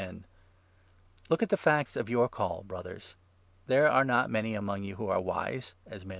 'weakness1 Look at the facts of your Call, Brothers. There 26 «nd are not many among you who are wise, as men 'strength.'